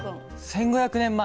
１，５００年前！？